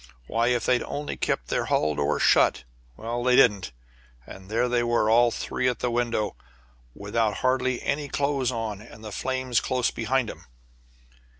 Why, if they'd only kept their hall door shut well, they didn't, and there they were, all three at the window, without hardly any clothes on, and the flames close behind 'em.